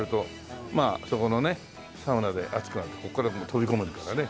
まあそこのねサウナで暑くなってここから飛び込むんだからね。